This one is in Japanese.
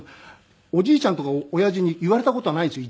おじいちゃんとかおやじに言われた事はないですよ